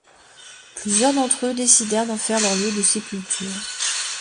Plusieurs d'entre eux décidèrent d'en faire leur lieu de sépulture.